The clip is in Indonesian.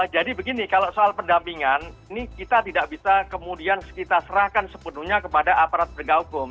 jadi begini kalau soal pendampingan ini kita tidak bisa kemudian kita serahkan sepenuhnya kepada aparat penegak hukum